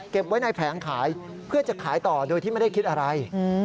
ไว้ในแผงขายเพื่อจะขายต่อโดยที่ไม่ได้คิดอะไร